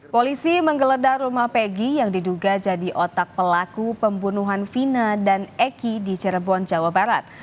polisi menggeledah rumah pegi yang diduga jadi otak pelaku pembunuhan vina dan eki di cirebon jawa barat